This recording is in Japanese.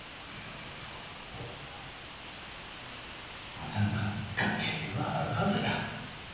まだ何か手ぇはあるはずや。